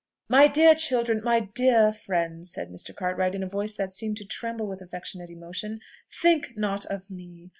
"My dear children! my dear friends!" said Mr. Cartwright in a voice that seemed to tremble with affectionate emotion, "think not of me!